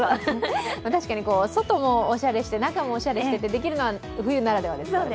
確かに外もおしゃれして中もおしゃれしてというのは冬ならではですからね。